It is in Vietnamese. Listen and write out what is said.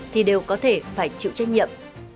thì đều có thể phải chịu trách nhiệm